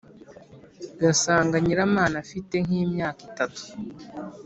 gasanga nyiramana afite nk’imyaka itatu